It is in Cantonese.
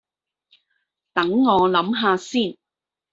等我諗吓先